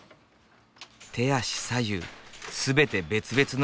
手足左右全て別々の動き。